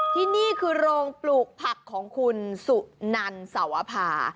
ที่นี่คือโรงปลูกผักของคุณสุนันสวภา